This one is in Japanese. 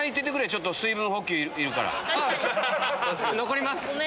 残ります！